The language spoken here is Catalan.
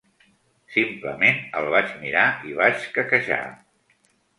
Simplement el vaig mirar i vaig quequejar.